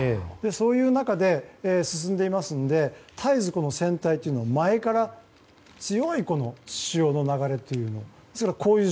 そういう中で進んでいますので絶えず、船体というのは前から強い潮の流れを。